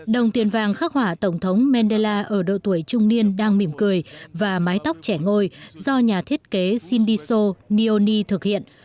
đồng tiền vàng khắc hỏa tổng thống mandela ở độ tuổi trung niên đang mỉm cười và mái tóc trẻ ngôi do nhà thiết kế sindiso nioni thực hiện